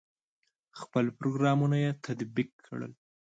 خپل پروګرامونه یې تطبیق کړل.